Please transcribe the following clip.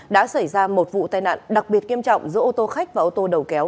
đã xảy ra một vụ tai nạn đặc biệt nghiêm trọng giữa ô tô khách và ô tô đầu kéo